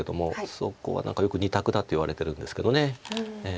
そこは何かよく２択だっていわれてるんですけど。